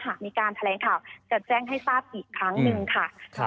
หากมีการแถลงข่าวจะแจ้งให้ทราบอีกครั้งหนึ่งค่ะ